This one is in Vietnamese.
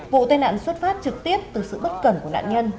vụ tai nạn xuất phát trực tiếp từ sự bất cẩn của nạn nhân